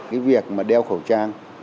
cái việc mà đeo khẩu trang